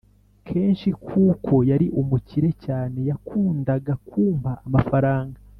kenshi kuko yari umukire cyane yakundaga kumpa amafarang